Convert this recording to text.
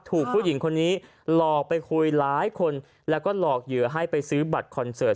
ถูกผู้หญิงคนนี้หลอกไปคุยหลายคนแล้วก็หลอกเหยื่อให้ไปซื้อบัตรคอนเสิร์ต